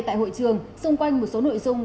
tại hội trường xung quanh một số nội dung